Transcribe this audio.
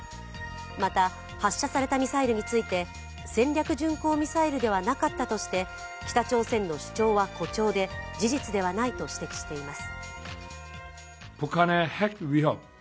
また、発射されたミサイルについて戦略巡航ミサイルではなかったとして北朝鮮の主張は誇張で事実ではないと指摘しています。